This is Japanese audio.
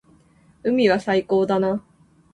海は最高だな。